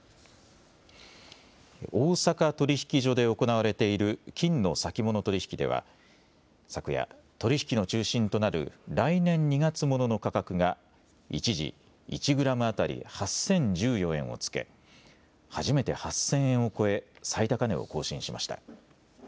大阪取引所で行われている金の先物取引では昨夜、取り引きの中心となる来年２月ものの価格が一時、１グラムあたり８０１４円をつけ初めて８０００円を超え、最高値を更新しました。